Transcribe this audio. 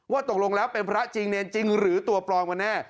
ว่าตกลงแล้วเป็นพระจริงหรือตัวปลอมมาแน่